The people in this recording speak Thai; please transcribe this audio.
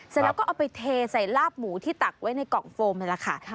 เสร็จแล้วก็เอาไปเทใส่ลาบหมูที่ตักไว้ในกล่องโฟมนี่แหละค่ะ